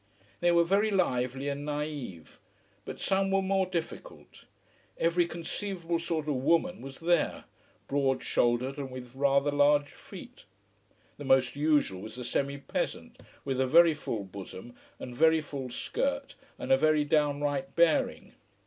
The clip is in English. They were very lively and naïve. But some were more difficult. Every conceivable sort of "woman" was there, broad shouldered and with rather large feet. The most usual was the semi peasant, with a very full bosom and very full skirt and a very downright bearing.